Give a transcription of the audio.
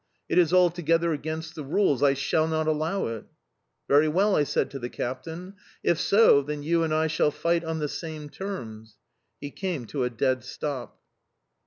It is altogether against the rules, I shall not allow it"... "Very well!" I said to the captain. "If so, then you and I shall fight on the same terms"... He came to a dead stop.